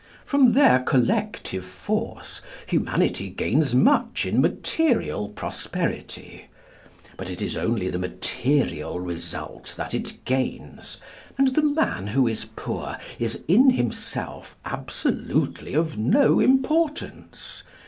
From their collective force Humanity gains much in material prosperity. But it is only the material result that it gains, and the man who is poor is in himself absolutely of no importance.